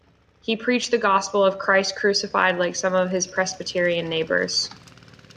He preached the gospel of Christ Crucified like some of his Presbyterian neighbors.